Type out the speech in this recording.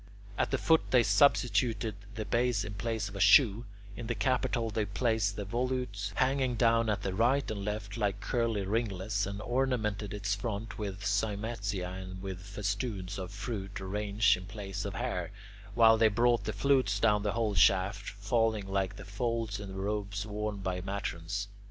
At the foot they substituted the base in place of a shoe; in the capital they placed the volutes, hanging down at the right and left like curly ringlets, and ornamented its front with cymatia and with festoons of fruit arranged in place of hair, while they brought the flutes down the whole shaft, falling like the folds in the robes worn by matrons.